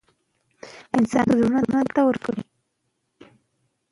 ماشوم د مور له ناستې زده کړه کوي.